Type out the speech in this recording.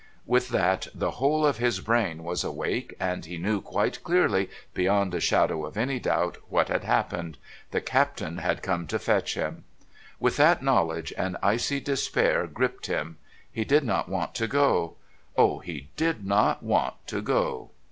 With that the whole of his brain was awake and he knew quite clearly, beyond a shadow of any doubt, what had happened; the Captain had come to fetch him. With that knowledge an icy despair gripped him. He did not want to go. Oh, he did not want to go!